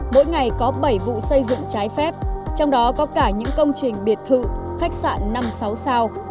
mỗi ngày có bảy vụ xây dựng trái phép trong đó có cả những công trình biệt thự khách sạn năm sáu sao